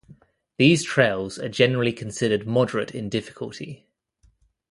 These trails are generally considered moderate in difficulty.